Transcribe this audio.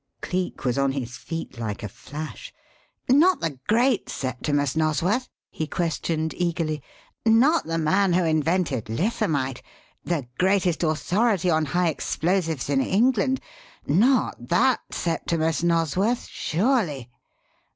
Cleek was on his feet like a flash. "Not the great Septimus Nosworth?" he questioned eagerly. "Not the man who invented Lithamite? the greatest authority on high explosives in England? Not that Septimus Nosworth, surely?"